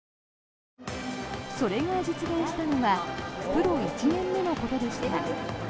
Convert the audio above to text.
それが実現したのはプロ１年目のことでした。